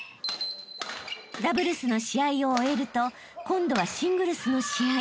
［ダブルスの試合を終えると今度はシングルスの試合］